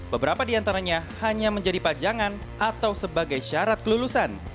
beberapa diantaranya hanya menjadi pajangan atau sebagai syarat kelulusan